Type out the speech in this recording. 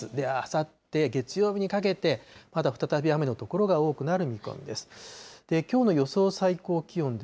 あさって月曜日にかけて、また再び雨の所が多くなる見込みです。